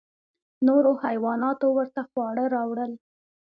نورو حیواناتو ورته خواړه راوړل.